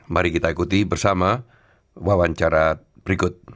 mari kita ikuti bersama wawancara berikut